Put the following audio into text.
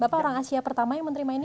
bapak orang asia pertama yang menerima ini